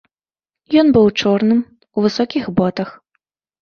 Ён быў у чорным, у высокіх ботах.